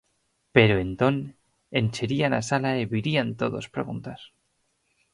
Pero entón encherían a sala e virían todos preguntar.